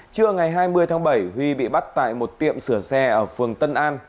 trưa ngày hai mươi tháng bảy huy bị bắt tại một tiệm sửa xe ở phường tân an